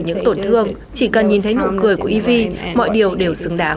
những tổn thương chỉ cần nhìn thấy nụ cười của ev mọi điều đều xứng đáng